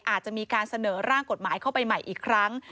อาจจะมีการเสนอร่างกฎหมายเข้าไปใหม่อีกครั้ง